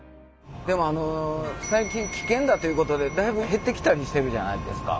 でもあの最近危険だということでだいぶ減ってきたりしてるじゃないですか。